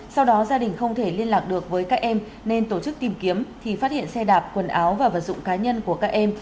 sau đó gia đình không thể liên lạc được với các em nên tổ chức tìm kiếm thì phát hiện xe đạp quần áo và vật dụng cá nhân của các em